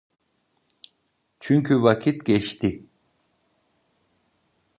Çünkü vakit geçti.